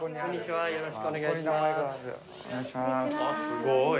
すごい。